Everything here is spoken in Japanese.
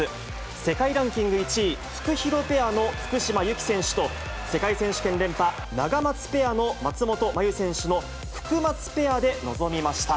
世界ランキング１位、フクヒロペアの福島由紀選手と、世界選手権連覇、ナガマツペアの松本麻佑選手のフクマツペアで臨みました。